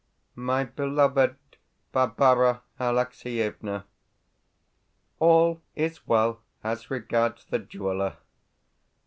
MY BELOVED BARBARA ALEXIEVNA, All is well as regards the jeweller.